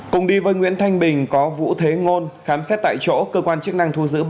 cùng đi với nguyễn thanh bình có vũ thế ngôn khám xét tại chỗ cơ quan chức năng thu giữ